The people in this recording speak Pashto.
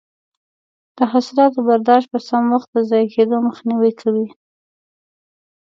د حاصلاتو برداشت په سم وخت د ضایع کیدو مخنیوی کوي.